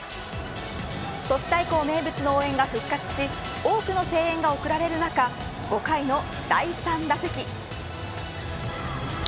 都市対抗名物の応援が復活し多くの声援が送られる中５回の第３打席。